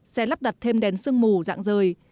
xe lắp đặt thêm đèn sưng mù dạng rời